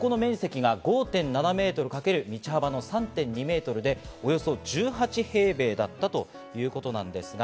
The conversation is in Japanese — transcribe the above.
この面積が５．７メートル×道幅３．２メートルでおよそ１８平米だったということです。